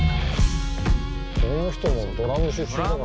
この人もドラム出身だから。